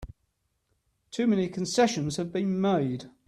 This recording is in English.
Too many concessions have been made!